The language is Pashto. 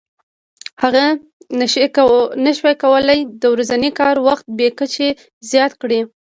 هغه نشي کولای د ورځني کار وخت بې کچې زیات کړي